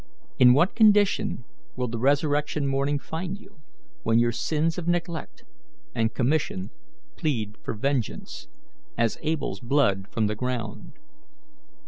In what condition will the resurrection morning find you, when your sins of neglect and commission plead for vengeance, as Abel's blood from the ground?